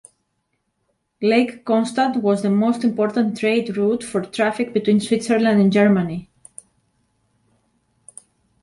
Lake Constance was the most important trade route for traffic between Switzerland and Germany.